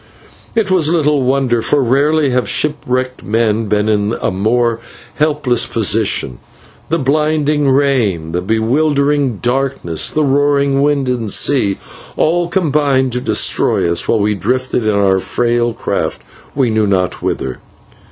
It was little wonder, for rarely have shipwrecked men been in a more hopeless position. The blinding rain, the bewildering darkness, the roaring wind and sea, all combined to destroy us while we drifted in our frail craft we knew not whither.